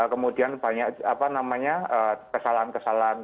kemudian banyak kesalahan kesalahan